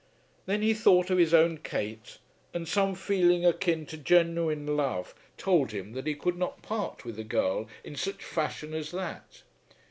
Then he thought of his own Kate, and some feeling akin to genuine love told him that he could not part with the girl in such fashion as that.